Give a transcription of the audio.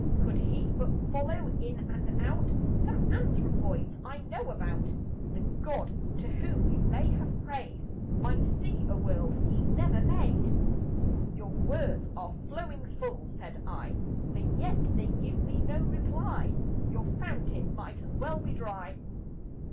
Could He but follow in and out Some anthropoids I know about, The God to whom you may have prayed Might see a world He never made." "Your words are flowing full," said I; "But yet they give me no reply; Your fountain might as well be dry."